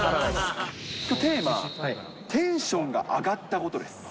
テーマ、テンションが上がったことです。